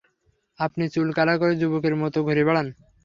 আপনি চুল কালার করে যুবকের মতো ঘুরে বেড়ান।